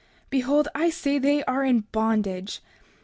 Behold, I say they are in bondage.